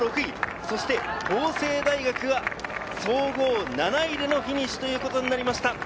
そして法政大学は総合７位でのフィニッシュとなりました。